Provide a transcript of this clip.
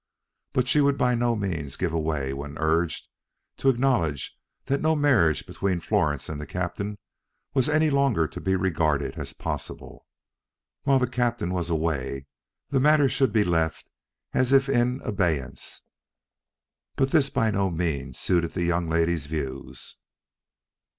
But she would by no means give way when urged to acknowledge that no marriage between Florence and the captain was any longer to be regarded as possible. While the captain was away the matter should be left as if in abeyance; but this by no means suited the young lady's views.